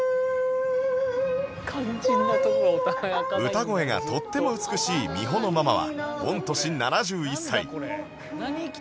歌声がとっても美しいみほのママは御年７１歳